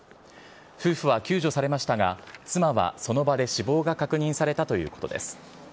夫婦は救助されましたが、妻はその場で死亡が確認されたということです。